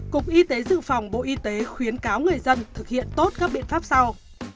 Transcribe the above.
cục y tế dự phòng bộ y tế khuyến cáo người dân thực hiện tốt các biện pháp sau